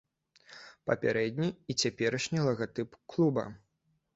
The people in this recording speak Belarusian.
Папярэдні і цяперашні лагатып клуба.